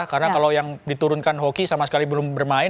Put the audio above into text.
karena kalau yang diturunkan hoki sama sekali belum bermain